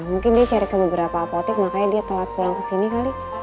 mungkin dia cari ke beberapa apotek makanya dia telat pulang kesini kali